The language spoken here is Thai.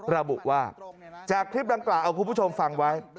ระบุว่าจากคลิปดังกล่าวเอาคุณผู้ชมฟังไว้